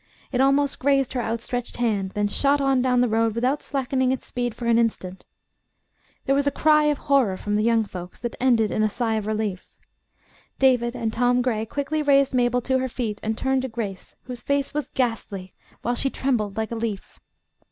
It almost grazed her outstretched hand, then shot on down the road without slackening its speed for an instant. There was a cry of horror from the young folks that ended in a sigh of relief. David and Tom Gray quickly raised Mabel to her feet and turned to Grace, whose face was ghastly, while she trembled like a leaf.